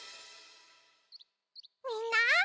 みんな。